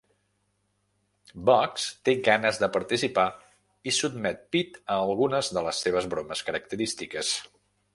Bugs té ganes de participar, i sotmet Pete a algunes de les seves bromes característiques.